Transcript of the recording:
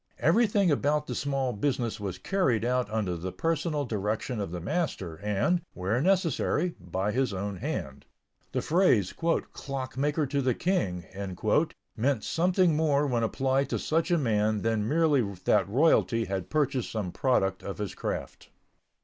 Everything about the small business was carried out under the personal direction of the master and, where necessary, by his own hand. The phrase "clockmaker to the King" meant something more when applied to such a man than merely that royalty had purchased some product of his craft.